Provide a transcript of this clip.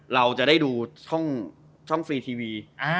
เราจะได้ดูช่องฟรีทีวี